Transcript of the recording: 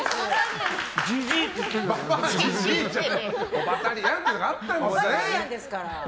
オバタリアンっていうのがあったんですね。